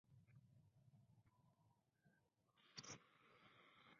Se dedicó fundamentalmente a tributación agropecuaria.